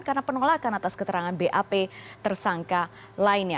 karena penolakan atas keterangan bap tersangka lainnya